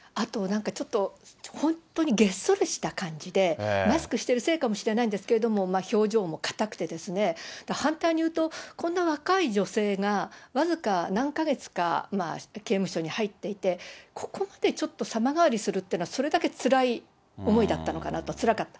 あとなんか、ちょっと本当にげっそりした感じで、マスクしてるせいかもしれないんですけれども、表情も硬くてですね、反対にいうと、こんな若い女性が、僅か何か月か、刑務所に入っていて、ここまでちょっと様変わりするっていうのは、それだけつらい思いだったのかなと、つらかった。